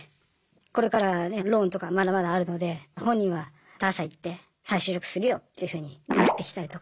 これからねローンとかまだまだあるので本人は他社行って再就職するよっていうふうになってきたりとか。